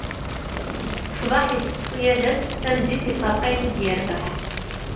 Ṣṣbeḥ, itett ṣṣyada-s, tameddit, iferreq ayen i d-irbeḥ.